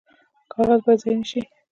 کاغذ باید ضایع نشي